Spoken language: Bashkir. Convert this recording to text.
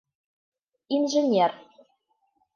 Инженер.